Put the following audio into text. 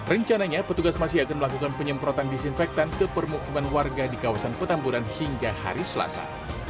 rencananya petugas masih akan melakukan penyemprotan disinfektan ke permukiman warga di kawasan petamburan hingga hari selasa